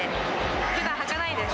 ふだんはかないです。